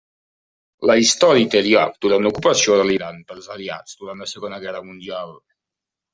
La història té lloc durant l'ocupació de l'Iran pels aliats durant la Segona Guerra Mundial.